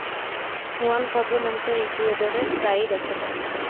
Juan Pablo নামটা ইকুয়েডরে প্রায়ই দেখা যায়।